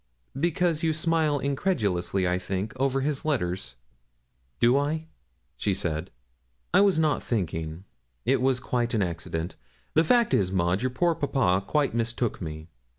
'Because you smile incredulously, I think, over his letters.' 'Do I?' said she; 'I was not thinking it was quite an accident. The fact is, Maud, your poor papa quite mistook me.